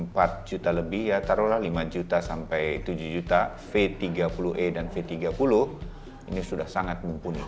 empat juta lebih ya taruhlah lima juta sampai tujuh juta v tiga puluh e dan v tiga puluh ini sudah sangat mumpuni